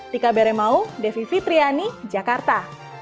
tika beremau devi fitriani jakarta